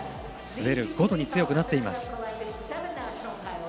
滑るごとに強くなっています。